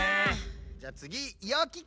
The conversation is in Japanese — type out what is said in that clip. じゃあつぎよき子！